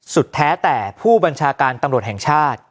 แท้แต่ผู้บัญชาการตำรวจแห่งชาติ